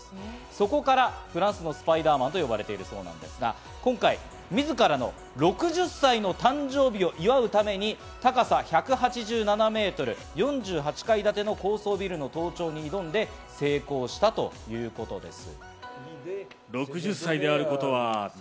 そこからフランスのスパイダーマンと呼ばれているそうですが、今回、自らの６０歳の誕生日を祝うために高さ１８７メートル、４８階建ての高層ビルの登頂に挑んで成功したということです。